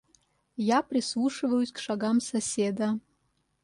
Я прислушиваюсь к шагам соседа.